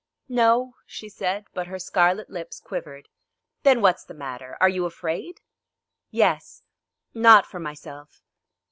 "No," she said, but her scarlet lips quivered. "Then, what's the matter? Are you afraid?" "Yes. Not for myself."